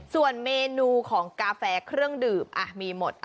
ส่วนเมนูของกาแฟเครื่องดื่มมีหมด